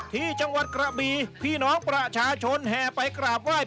ที่จังหวัดกระบีพี่น้องประชาชนแห่ไปกราบไหว้